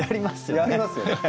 やりますよね。